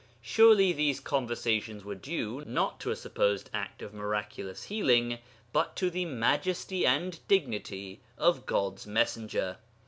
Surely these conversions were due, not to a supposed act of miraculous healing, but to the 'majesty and dignity' of God's Messenger.